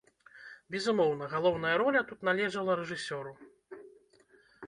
Безумоўна, галоўная роля тут належала рэжысёру.